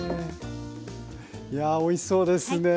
いやあおいしそうですね。